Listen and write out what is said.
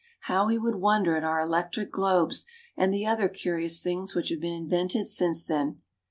How he would wonder at our electric globes and the other curious things which have been invented since then!